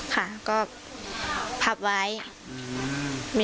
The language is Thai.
ค่ะก็พับไว้